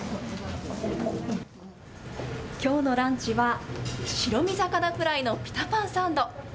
きょうのランチは白身魚フライのピタパンサンド。